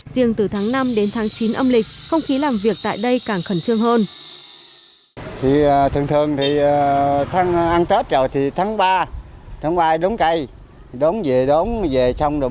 riêng từ tháng năm đến tháng chín âm lịch không khí làm việc tại đây càng khẩn trương hơn